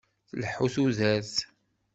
Tleḥḥu tudert.